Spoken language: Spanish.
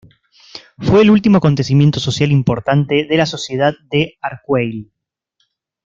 Fue el último acontecimiento social importante de la Sociedad de Arcueil.